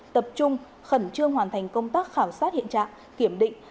tập trung khẩn trương hoàn thành công tác khảo sát hiện trạng kiểm định